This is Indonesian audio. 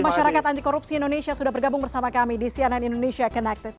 masyarakat anti korupsi indonesia sudah bergabung bersama kami di cnn indonesia connected